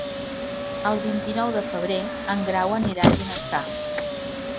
El vint-i-nou de febrer en Grau anirà a Ginestar.